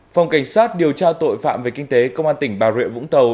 phòng cảnh sát điều tra tội phạm về kinh tế công an tỉnh bà rịa vũng tàu